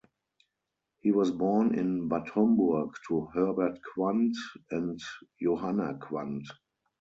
He was born in Bad Homburg to Herbert Quandt and Johanna Quandt.